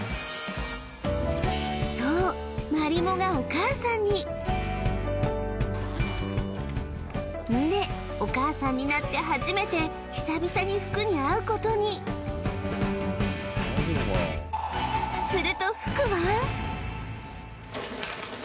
そうマリモがお母さんにんでお母さんになって初めて久々にフクに会うことにするとフクは？